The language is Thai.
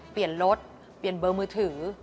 เปลี่ยนรถเปลี่ยนเบอร์มือถือ